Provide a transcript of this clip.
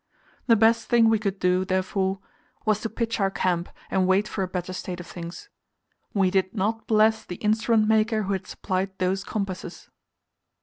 The best thing we could do, therefore, was to pitch our camp, and wait for a better state of things. We did not bless the instrument maker who had supplied those compasses.